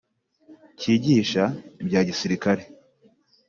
cyigisha ibya gisirikare